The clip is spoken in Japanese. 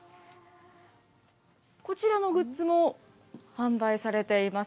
こちらのグッズも販売されています。